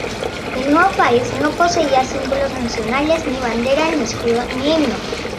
El nuevo país no poseía símbolos nacionales: ni bandera, ni escudo, ni himno.